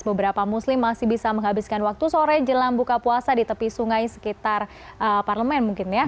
beberapa muslim masih bisa menghabiskan waktu sore jelang buka puasa di tepi sungai sekitar parlemen mungkin ya